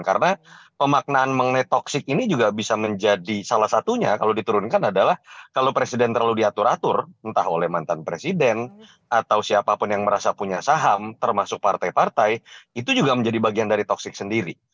karena pemaknaan mengenai toxic ini juga bisa menjadi salah satunya kalau diturunkan adalah kalau presiden terlalu diatur atur entah oleh mantan presiden atau siapapun yang merasa punya saham termasuk partai partai itu juga menjadi bagian dari toxic sendiri